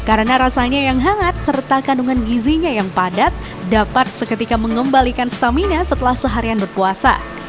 karena rasanya yang hangat serta kandungan gizinya yang padat dapat seketika mengembalikan stamina setelah seharian berpuasa